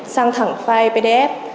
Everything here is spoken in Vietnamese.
sang thẳng file pdf